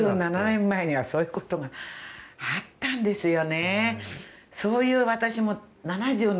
７７年前にはそういう事があったんですよね。